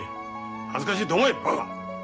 恥ずかしいと思えバカ！